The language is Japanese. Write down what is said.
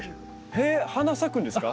えっ花咲くんですか？